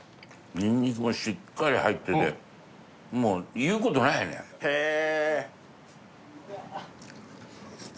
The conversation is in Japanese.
ニンニクがしっかり入っててもう言うことないよね・へえ！